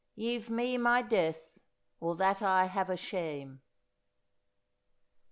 YEVE 3IE MY DETH, OR THAT I HAVE A SHAME.'